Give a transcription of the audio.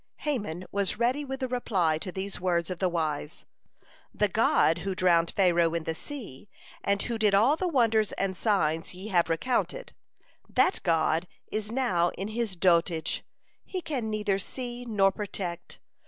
Haman was ready with a reply to these words of the wise: "The God who drowned Pharaoh in the sea, and who did all the wonders and signs ye have recounted, that God is now in His dotage, He can neither see nor protect.